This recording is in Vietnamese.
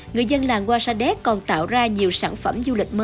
người dân làng hoa sa đéc còn tạo ra nhiều sản phẩm du lịch mới